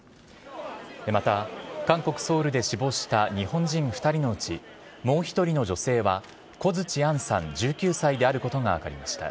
また韓国・ソウルで死亡した日本人２人のうちもう１人の女性は、小槌杏さん１９歳であることが分かりました。